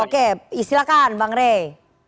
oke istilahkan bang rey